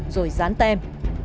rồi rán tem